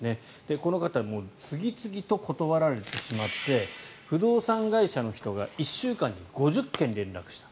この方、次々と断られてしまって不動産会社の人が１週間に５０件連絡した。